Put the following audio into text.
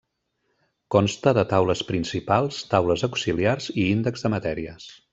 Consta de taules principals, taules auxiliars i índex de matèries.